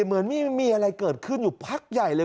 เหมือนไม่มีอะไรเกิดขึ้นอยู่พักใหญ่เลย